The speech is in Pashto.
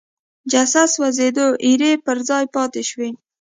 جسد سوځېد ایرې پر ځای پاتې شوې.